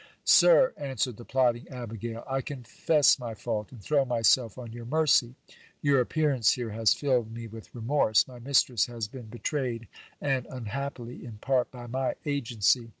Sir, answered the plotting abigail, I confess my fault, and throw myself on your mercy. Your appearance here has filled me with remorse. My mistress has been betrayed, and unhappily in part by my agency.